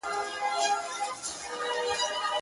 اوس د مطرب ستوني کي نسته پرونۍ سندري!.